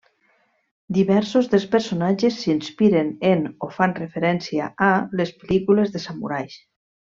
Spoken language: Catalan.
Diversos dels personatges s'inspiren en o fan referència a les pel·lícules de samurais.